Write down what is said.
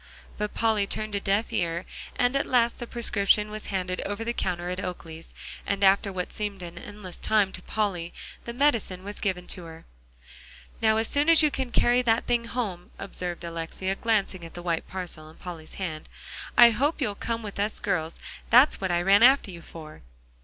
But Polly turned a deaf ear, and at last the prescription was handed over the counter at Oakley's, and after what seemed an endless time to Polly, the medicine was given to her. "Now as soon as you carry that thing home," observed Alexia, glancing at the white parcel in Polly's hand, "I hope you'll come with us girls. That's what I ran after you for."